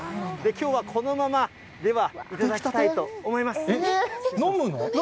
きょうはこのままでは、頂きたいと思います。